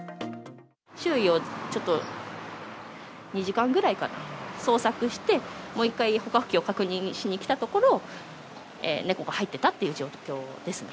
周囲をちょっと２時間ぐらいかな、捜索して、もう一回、捕獲器を確認しに来たところ、猫が入ってたっていう状況ですね。